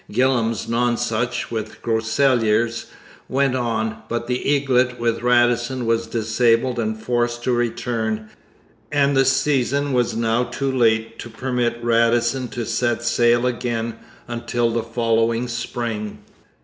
Gillam's Nonsuch with Groseilliers went on, but the Eaglet with Radisson was disabled and forced to return, and the season was now too late to permit Radisson to set sail again until the following spring.